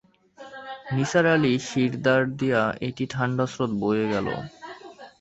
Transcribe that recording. নিসার আলির শিরদাঁড়া দিয়ে একটি ঠাণ্ড স্রোত বয়ে গেল।